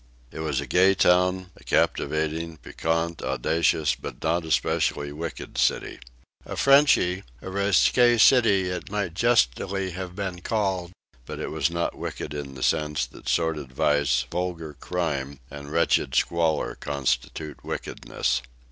It was a gay town, a captivating, piquant, audacious, but not especially wicked city. A Frenchy, a risque city it might justly have been called, but it was not wicked in the sense that sordid vice, vulgar crime and wretched squalor constitute wickedness.